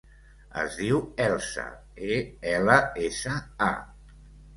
Es diu Elsa: e, ela, essa, a.